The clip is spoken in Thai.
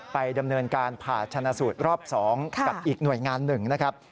ไปดำเนินการผ่าชนะสูตรรอบ๒กับอีกหน่วยงานหนึ่งนะครับ